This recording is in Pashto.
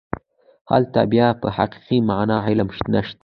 هلته بیا په حقیقي معنا علم نشته.